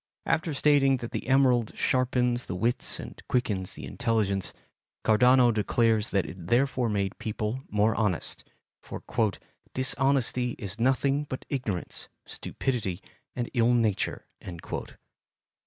After stating that the emerald sharpens the wits and quickens the intelligence, Cardano declares that it therefore made people more honest, for "dishonesty is nothing but ignorance, stupidity, and ill nature."